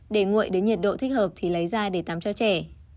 để nguội đến nhiệt độ thích hợp thì lấy da để tắm cho trẻ